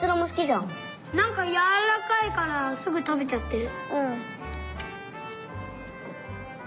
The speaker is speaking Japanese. なんかやわらかいからすぐたべちゃってる。